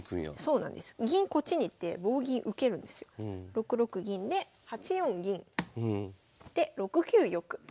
６六銀で８四銀。で６九玉。